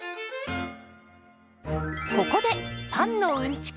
ここでパンのうんちく